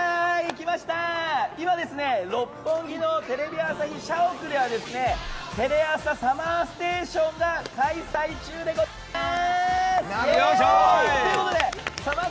今、六本木のテレビ朝日社屋では「テレ朝ＳＵＭＭＥＲＳＴＡＴＩＯＮ」が開催中でございます！